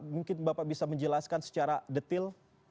mungkin bapak bisa menjelaskan secara detil